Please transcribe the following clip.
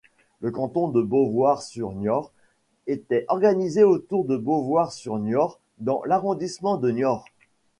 Le canton de Beauvoir-sur-Niort était organisé autour de Beauvoir-sur-Niort dans l'arrondissement de Niort.